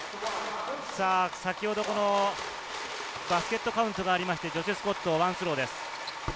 先ほどバスケットカウントがありまして、ジョシュ・スコット、ワンスローです。